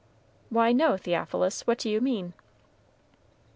"Why, no, Theophilus; what do you mean?"